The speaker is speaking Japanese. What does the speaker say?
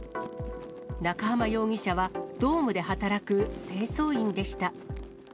中浜容疑者はドームで働く清掃員でした。